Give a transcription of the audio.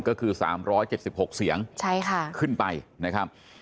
ก็คือ๓๗๖เสียงขึ้นไปนะครับ